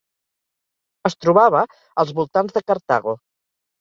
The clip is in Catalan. Es trobava als voltants de Cartago.